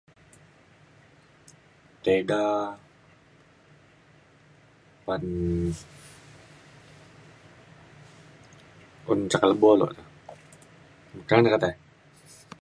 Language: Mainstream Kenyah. tega ban un ca kelebo lukte meka ne ketei